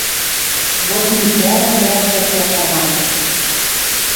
Вот Михӓлӓм нӓлшӓш йӓ шамакеш.